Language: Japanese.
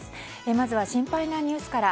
まずは心配なニュースから。